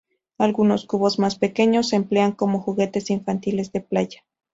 Algunos cubos, más pequeños, se emplean como juguetes infantiles de playa.